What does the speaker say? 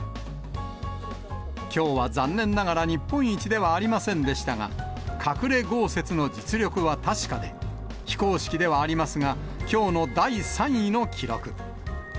きょうは残念ながら日本一ではありませんでしたが、隠れ豪雪の実力は確かで、非公式ではありますが、きょうの第３位の記録。